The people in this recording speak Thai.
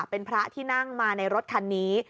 เป็นพระที่นั่งมาในรถคันนี้